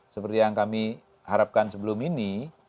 seperti yang kami harapkan sebelum ini